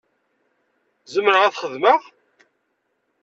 Zemreɣ ad t-xedmeɣ?